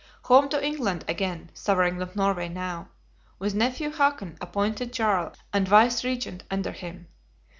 Home to England again "Sovereign of Norway" now, with nephew Hakon appointed Jarl and Vice regent under him!